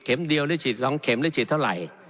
เดียวหรือฉีด๒เข็มหรือฉีดเท่าไหร่